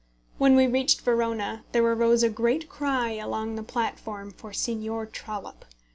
When we reached Verona, there arose a great cry along the platform for Signor Trollope.